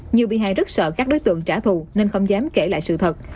nhiều bị hại rất sợ các đối tượng trả thù nên không dám kể lại sự thật